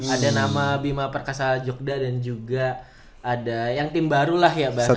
ada nama bima perkasa jogda dan juga ada yang tim baru lah ya bahasanya